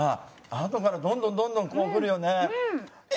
あとからどんどんどんどんくるよね。